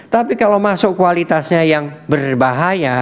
tapi kalau masuk kualitasnya yang berbahaya